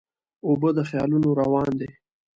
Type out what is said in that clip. اوبه د خیالونو روان دي.